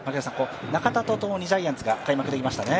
中田とともにジャイアンツが開幕できましたね。